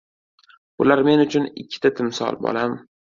– Bular men uchun ikki timsol, bolam.